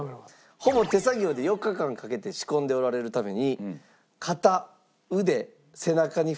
ほぼ手作業で４日間かけて仕込んでおられるために。